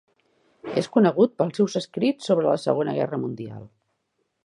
És conegut pels seus escrits sobre la Segona Guerra Mundial.